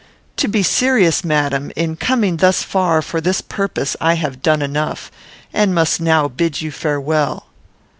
To be serious, madam, in coming thus far, for this purpose, I have done enough; and must now bid you farewell."